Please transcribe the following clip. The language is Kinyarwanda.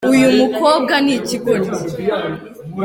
uyumukobwa nikigoryi